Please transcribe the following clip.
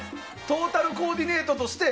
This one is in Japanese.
トータルコーディネートとして。